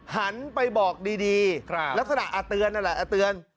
หันไปบอกดีลักษณะอาเตือนนั่นแหละเตือน